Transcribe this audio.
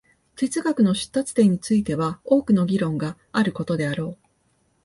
哲学の出立点については多くの議論があることであろう。